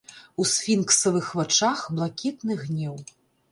У сфінксавых вачах блакітны гнеў.